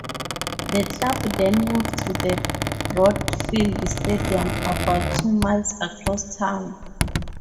The club then moved to the Broadfield Stadium, about two miles across town.